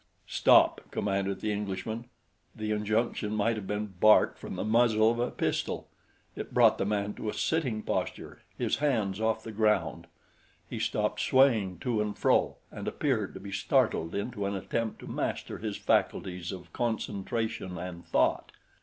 "Stop!" commanded the Englishman the injunction might have been barked from the muzzle of a pistol. It brought the man to a sitting posture, his hands off the ground. He stopped swaying to and fro and appeared to be startled into an attempt to master his faculties of concentration and thought.